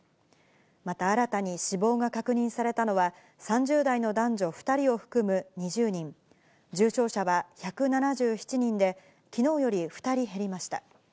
また新たに死亡が確認されたのは、３０代の男女２人を含む２０人、重症者は１７７人で、きのうより２人減りました。